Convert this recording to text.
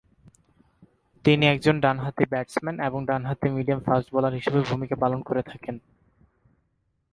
তিনি একজন ডানহাতি ব্যাটসম্যান এবং ডানহাতি মিডিয়াম ফাস্ট বোলার হিসেবে ভূমিকা পালন করে থাকেন।